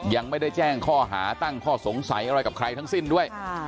ยังไม่ได้แจ้งข้อหาตั้งข้อสงสัยอะไรกับใครทั้งสิ้นด้วย